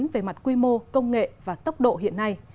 về mặt quy mô công nghệ và tốc độ hiện nay